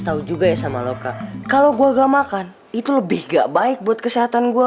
tahu juga ya sama loka kalau gue agak makan itu lebih gak baik buat kesehatan gue